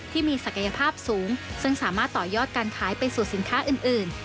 ที่มีศักยภาพสูงซึ่งสามารถต่อยอดการขายไปสู่สินค้าอื่น